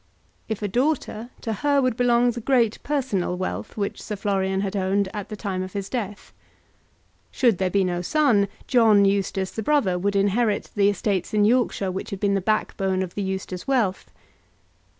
If a daughter, to her would belong the great personal wealth which Sir Florian had owned at the time of his death. Should there be no son, John Eustace, the brother, would inherit the estates in Yorkshire which had been the backbone of the Eustace wealth.